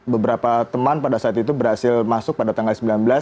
beberapa teman pada saat itu berhasil masuk pada tanggal sembilan belas